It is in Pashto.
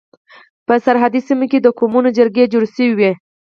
په سرحدي سيمو کي د قومونو جرګي جوړي سي.